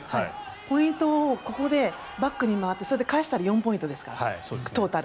ポイントをここでバックに回ってそれで返したら４ポイントですから、トータル。